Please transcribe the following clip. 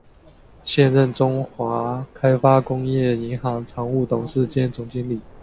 现任中华开发工业银行常务董事兼总经理。